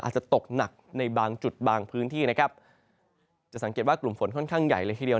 อาจจะตกหนักในบางจุดบางพื้นที่นะครับจะสังเกตว่ากลุ่มฝนค่อนข้างใหญ่เลยทีเดียว